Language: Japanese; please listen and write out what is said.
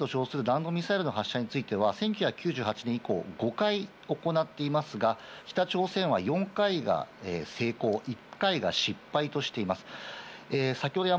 北朝鮮の人工衛星と称する弾道ミサイルの発射については１９９８年以降、５回行っていますが、北朝鮮は４回が成功、１回が失敗としています。